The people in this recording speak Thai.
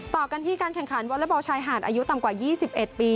ต่อกันที่การแข่งขันวอเล็กบอลชายหาดอายุต่ำกว่า๒๑ปี